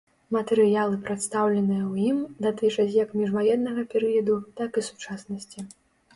Матэрыялы, прадстаўленыя ў ім, датычаць як міжваеннага перыяду, так і сучаснасці.